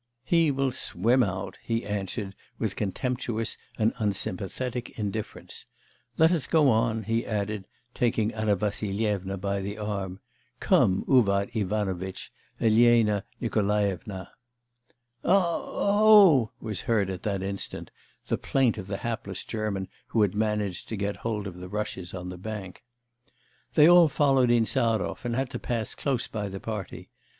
'He will swim out,' he answered with contemptuous and unsympathetic indifference. 'Let us go on,' he added, taking Anna Vassilyevna by the arm. 'Come, Uvar Ivanovitch, Elena Nikolaevna.' 'A a o o' was heard at that instant, the plaint of the hapless German who had managed to get hold of the rushes on the bank. They all followed Insarov, and had to pass close by the party.